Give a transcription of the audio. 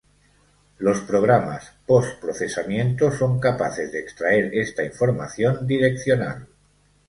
Los programas post-procesamiento son capaces de extraer esta información direccional.